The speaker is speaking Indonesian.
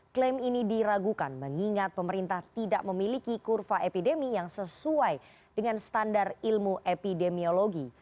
klaim ini diragukan mengingat pemerintah tidak memiliki kurva epidemi yang sesuai dengan standar ilmu epidemiologi